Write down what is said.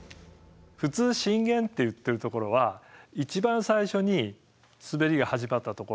普通震源っていってるところは一番最初に滑りが始まったところをいうんですね。